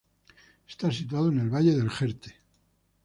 Está situado en el Valle del Jerte.